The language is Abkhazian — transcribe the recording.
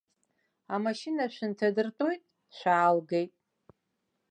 Амашьына шәынҭадыртәоит, шәаалгеит.